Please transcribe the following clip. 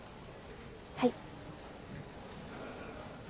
はい。